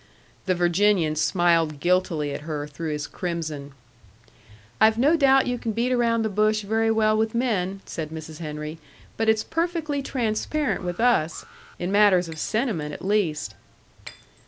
The Virginian smiled guiltily at her through his crimson. "I've no doubt you can beat around the bush very well with men," said Mrs. Henry. "But it's perfectly transparent with us in matters of sentiment, at least."